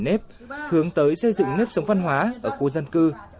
nếp hướng tới xây dựng nếp sống văn hóa ở khu dân cư